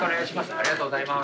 ありがとうございます。